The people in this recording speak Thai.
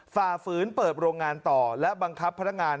ฝ่าฝืนเปิดโรงงานต่อและบังคับพนักงาน